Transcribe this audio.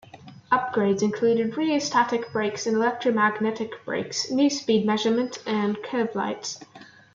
Upgrades included rheostatic brakes and electromagnetic brakes, new speed measurement and curve lights.